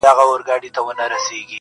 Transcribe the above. • ته خبريې دلته ښخ ټول انسانان دي,